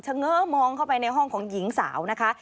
เง้อมองเข้าไปในห้องของหญิงสาวนะคะ